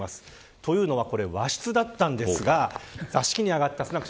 というのはこれ和室だったんですが座敷に上がったスナク